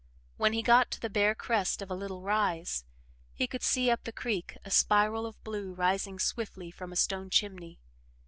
When he got to the bare crest of a little rise, he could see up the creek a spiral of blue rising swiftly from a stone chimney.